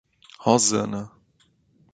Rosana